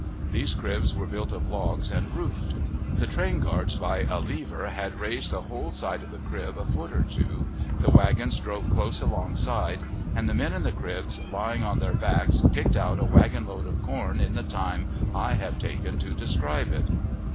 These cribs were built of logs, and roofed. The train guard, by a lever, had raised the whole side of the crib a foot or two; the wagons drove close alongside, and the men in the cribs, lying on their backs, kicked out a wagon load of corn in the time I have taken to describe it.